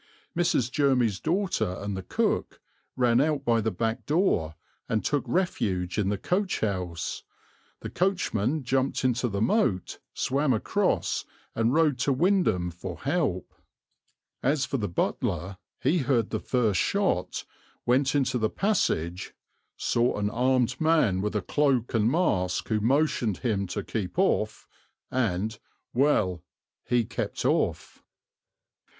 Mrs. Jermy's daughter and the cook ran out by the back door and took refuge in the coach house; the coachman jumped into the moat, swam across, and rode to Wymondham for help. As for the butler, he heard the first shot, went into the passage, "saw an armed man with a cloak and mask who motioned him to keep off," and well, he kept off.